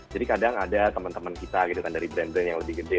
jadi kadang ada teman teman kita dari brand brand yang lebih gede